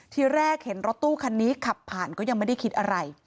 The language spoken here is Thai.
ทีแรกเห็นรถตู้คันนี้ขับผ่านก็ยังไม่ได้คิดอะไร